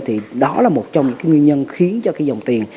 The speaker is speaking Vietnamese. thì đó là một trong những cái nguyên nhân khiến cho cái dòng tiền